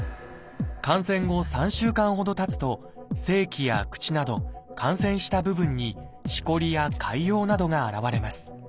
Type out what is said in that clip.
感染後３週間ほどたつと性器や口など感染した部分にしこりや潰瘍などが現れます。